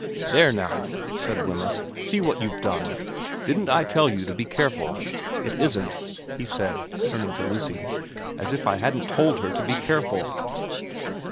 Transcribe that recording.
' There now,' said Wemyss. ' See what you've done. Didn't I tell you to be careful ? It isn't,' he said, turning to Lucy, * as if I hadn't told her to be careful.'